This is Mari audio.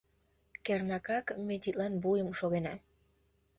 Кернакак, ме тидлан вуйын шогена.